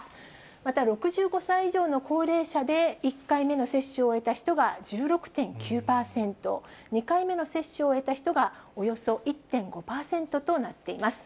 また６５歳以上の高齢者で１回目の接種を終えた人が１６．９％、２回目の接種を終えた人がおよそ１．５％となっています。